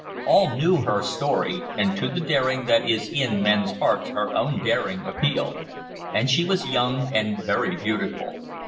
All knew her story, and to the daring that is in men's hearts her own daring appealed, and she was young and very beautiful.